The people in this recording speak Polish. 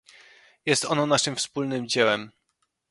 Jest ono naszym wspólnym dziełem